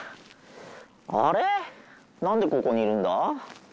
あれっ何でここにいるんだ？